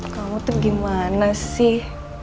kamu tuh gimana sih